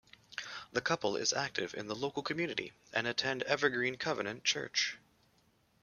The couple is active in the local community, and attend Evergreen Covenant Church.